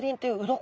鱗。